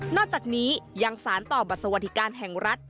อกจากนี้ยังสารต่อบัตรสวัสดิการแห่งรัฐ